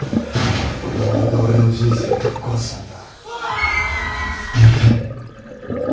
お前が俺の人生ぶっ壊したんだ。